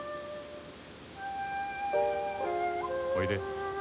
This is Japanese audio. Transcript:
おいで。